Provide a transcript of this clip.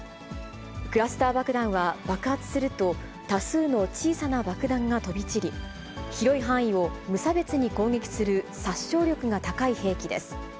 クラスター爆弾は、爆発すると多数の小さな爆弾が飛び散り、広い範囲を無差別に攻撃する殺傷力が高い兵器です。